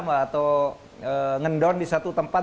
atau ngedown di satu tempat